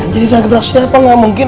jadi udah ada beraksi apa gak mungkin